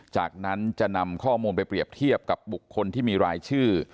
จากนั้นจะนำข้อมูลไปเปรียบเทียบกับบุคคลที่มีรายชื่อ